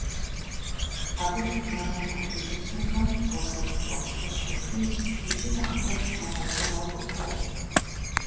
Абы пыт мэракӀуэ плъыжьыбзэхэм уэсэпс ткӀуэпсхэр щохъей икӀи ахэр мыкъэкӀыгъэу къыпфӀощӀ.